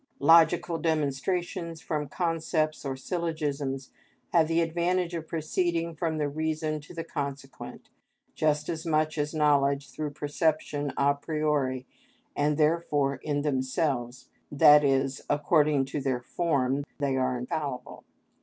Logical demonstrations from concepts or syllogisms have the advantage of proceeding from the reason to the consequent, just as much as knowledge through perception a priori, and therefore in themselves, i.e., according to their form, they are infallible.